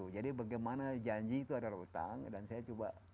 bagaimana janji itu adalah utang dan saya coba